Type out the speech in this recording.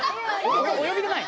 およびでない？